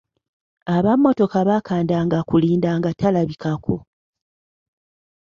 Ab'emmotoka bakandanga kulinda nga talabikako.